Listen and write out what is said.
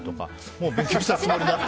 もう勉強したつもりになって